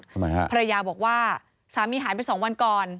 ทำไมฮะภรรยาบอกว่าสามีหายไปสองวันก่อน